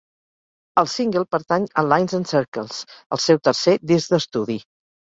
El single pertany a "Lines and circles", el seu tercer disc d'estudi.